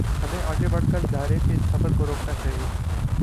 ہمیں آگے بڑھ کر دائرے کے اس سفر کو روکنا چاہیے۔